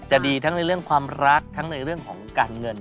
ดีทั้งในเรื่องความรักทั้งในเรื่องของการเงิน